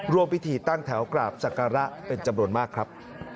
ร่วมพิธีตั้งแถวกราบศักระเป็นจำนวนมากครับ